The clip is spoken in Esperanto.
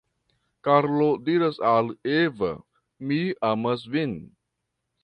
Karlo diras al Eva: Mi amas vin.